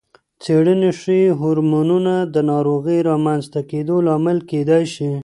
څېړنې ښيي، هورمونونه د ناروغۍ رامنځته کېدو لامل کېدای شي.